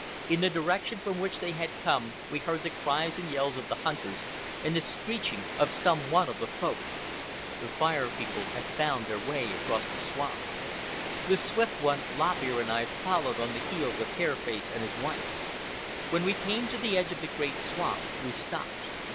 In the direction from which they had come we heard the cries and yells of the hunters, and the screeching of some one of the Folk. The Fire People had found their way across the swamp. The Swift One, Lop Ear, and I followed on the heels of Hair Face and his wife. When we came to the edge of the great swamp, we stopped.